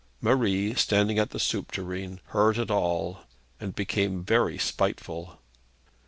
Marie, standing at the soup tureen, heard it all and became very spiteful.